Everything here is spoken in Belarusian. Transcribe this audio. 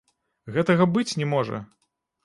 Гэтага быць не можа!